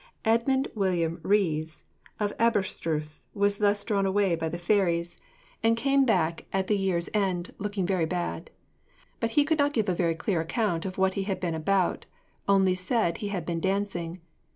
Edmund William Rees, of Aberystruth, was thus drawn away by the fairies, and came back at the year's end, looking very bad. But he could not give a very clear account of what he had been about, only said he had been dancing.